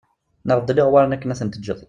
Neɣ beddel iɣewwaṛen akken ad ten-teǧǧeḍ